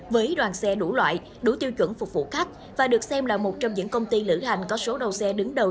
với đoàn xe đủ loại đủ tiêu chuẩn phục vụ khách và được xem là một trong những công ty lữ hành có số đầu xe đứng đầu